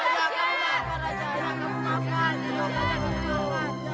ya allah ya allah ya allah